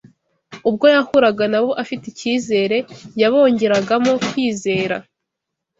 Ubwo yahuraga na bo afite icyizere, yabongeragamo kwizera